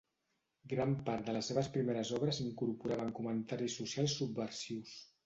Gran part de les seves primeres obres incorporaven comentaris socials subversius.